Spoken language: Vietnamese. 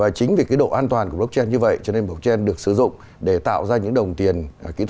và chính vì cái độ an toàn của blockchain như vậy cho nên blockchain được sử dụng để tạo ra những đồng tiền kỹ thuật số để chống giả mạo